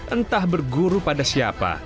entah berguru pada siapa